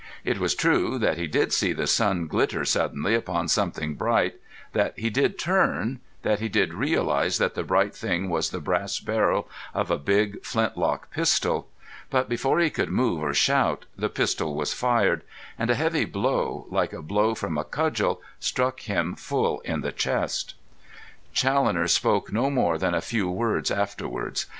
It was true that he did see the sun glitter suddenly upon something bright, that he did turn, that he did realise that the bright thing was the brass barrel of a big flintlock pistol. But before he could move or shout, the pistol was fired, and a heavy blow like a blow from a cudgel struck him full on the chest. Challoner spoke no more than a few words afterwards.